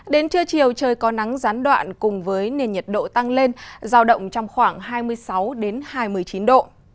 đến trưa chiều trời có nắng gián đoạn cùng với nền nhiệt độ tăng lên giao động trong khoảng hai mươi sáu hai mươi chín độ